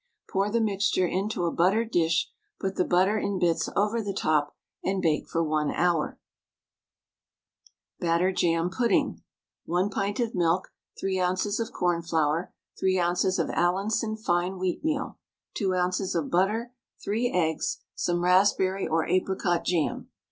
Pour the mixture into a buttered dish, put the butter in bits over the top, and bake for 1 hour. BATTER JAM PUDDING. 1 pint of milk, 3 oz. of cornflour, 3 oz. of Allinson fine wheatmeal, 2 oz. of butter, 3 eggs, some raspberry or apricot jam.